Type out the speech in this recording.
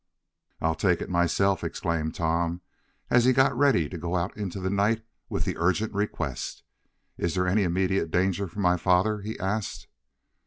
"I'll take it myself!" exclaimed Tom, as he got ready to go out into the night with the urgent request. "Is there any immediate danger for my father?" he asked.